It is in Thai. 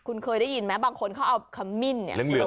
คุณเคยได้ยินไหมบางคนเขาเอาขมิ้น